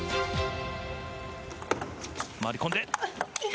回り込んで。